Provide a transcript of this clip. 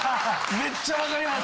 めっちゃ分かります。